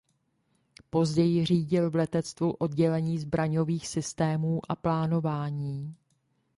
Později řídil v letectvu oddělení zbraňových systémů a plánování.